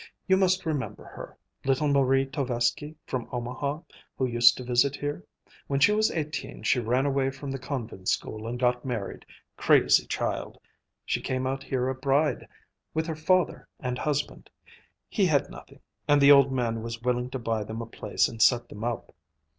You must remember her, little Marie Tovesky, from Omaha, who used to visit here? When she was eighteen she ran away from the convent school and got married, crazy child! She came out here a bride, with her father and husband. He had nothing, and the old man was willing to buy them a place and set them up.